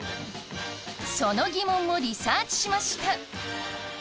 そのギモンもリサーチしました